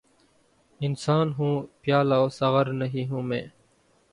انسان ہوں‘ پیالہ و ساغر نہیں ہوں میں!